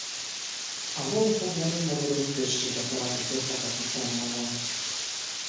A honfoglaló magyarok községet alapítottak a Tisza mellett.